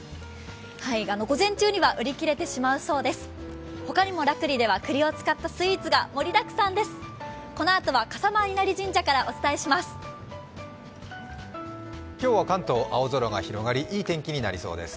午前中には売り切れてしまうそうです。